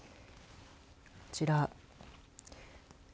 こちら。